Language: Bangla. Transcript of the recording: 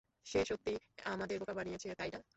সে সত্যিই আমাদের বোকা বানিয়েছে, তাই না?